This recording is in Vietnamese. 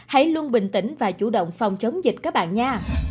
hãy luôn bình tĩnh và chủ động phòng chống dịch các bạn nha